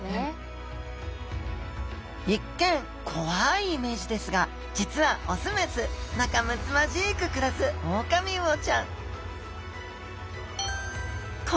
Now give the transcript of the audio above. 一見怖いイメージですが実は雄雌仲むつまじく暮らすオオカミウオちゃん。